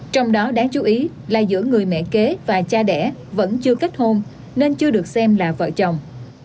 trong đó đáng chú ý là giữa người mẹ kế và cha đẻ vẫn chưa kết hôn nên chưa được xem là vợ chồng